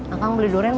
akang beli dua di sini